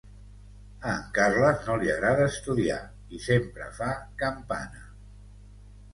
A en Carles no li agrada estudiar i sempre fa campana: